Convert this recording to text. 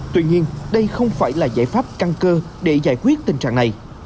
tuy nhiên đây không phải là giải pháp căn cơ để giải quyết tình trạng này